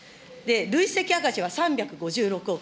累積赤字は３５６億。